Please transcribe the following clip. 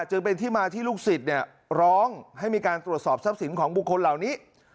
จึงเป็นที่มาที่ลูกศิษย์ร้องให้มีการตรวจสอบทรัพย์สินของบุคคลเหล่านี้